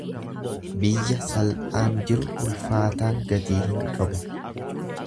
Biyya salphaan jiru ulfaataan gatii hin qabu.